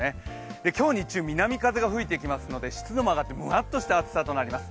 今日日中、南風が吹いてきますので湿度も上がってむわっとした暑さとなります。